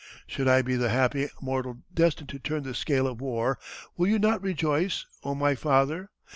Should I be the happy mortal destined to turn the scale of war, will you not rejoice, oh my father?